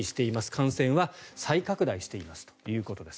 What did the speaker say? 感染は再拡大していますということです。